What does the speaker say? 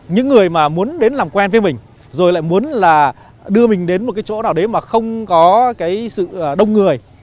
những người mà muốn đến làm quen với mình rồi lại muốn là đưa mình đến một cái chỗ nào đấy mà không có cái sự đông người